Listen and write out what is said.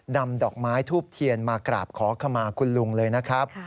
นำดอกไม้ทูบเทียนมากราบขอขมาคุณลุงเลยนะครับ